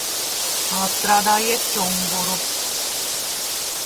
Atstrādājiet čunguru!